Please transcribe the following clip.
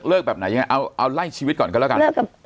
เลิกแบบไหนเอาไล่ชีวิตก่อนก็แล้วกัน